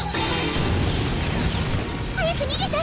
早くにげて！